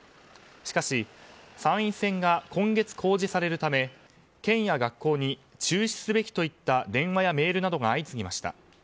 しかし、参院選が今月公示されるため県や学校に中止すべきといった電話やメールなどが相次ぎました。